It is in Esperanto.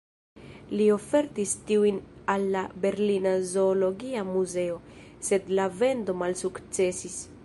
Li ofertis tiujn al la Berlina Zoologia Muzeo, sed la vendo malsukcesis.